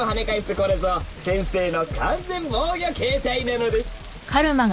これぞ先生の完全防御形態なのです